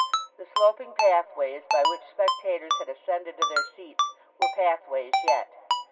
The sloping pathways by which spectators had ascended to their seats were pathways yet.